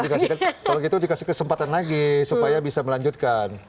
kalau gitu dikasih kesempatan lagi supaya bisa melanjutkan